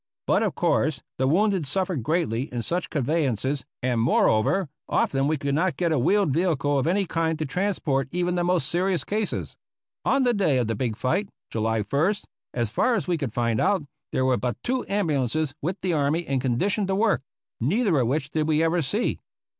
But of course the wounded suffered greatly in such convey ances, and moreover, often we could not get a wheeled vehicle of any kind to transport even the most serious cases. On the day of the big fight, July ist, as far as we could find out, there were but two ambulances with the army in condition to work — neither of which did we ever see.